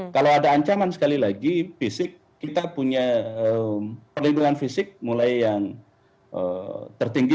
kalau ada ancaman sekali lagi fisik kita punya perlindungan fisik mulai yang tertinggi